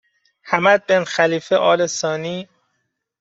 حمد بن خلیفه آل ثانی